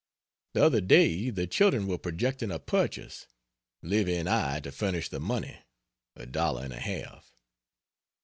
The other day the children were projecting a purchase, Livy and I to furnish the money a dollar and a half.